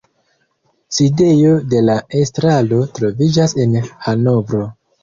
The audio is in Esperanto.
Sidejo de la estraro troviĝas en Hanovro.